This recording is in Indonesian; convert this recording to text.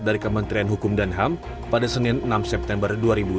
dari kementerian hukum dan ham pada senin enam september dua ribu dua puluh